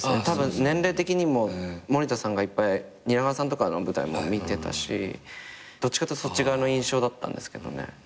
たぶん年齢的にも森田さんがいっぱい蜷川さんとかの舞台も見てたしどっちかっていうとそっち側の印象だったんですけどね。